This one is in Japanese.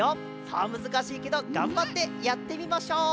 さあむずかしいけどがんばってやってみましょう！